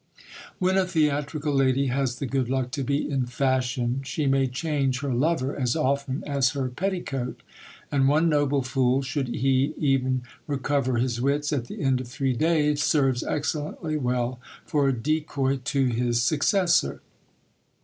When a theatrical lady has the good luck to be in fashion, she may change her lover as often as her petticoat : and one noble fool, should he even recover his wits at the end of three days, serves excellently well for a decoy to his suc cessor.